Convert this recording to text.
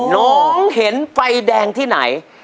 น้องเห็นไฟแดงที่ไหน